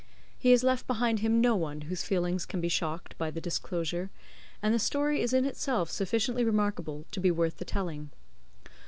He has left behind him no one whose feelings can be shocked by the disclosure, and the story is in itself sufficiently remarkable to be worth the telling.